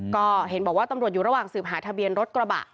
ก็เห็นบอกว่าตำรวจอยู่ระหว่างสืบหาทะเบียนรถกระบะ